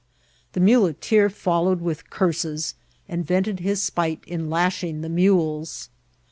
The muleteer followed with curses, and vented his spite in lashing the mules.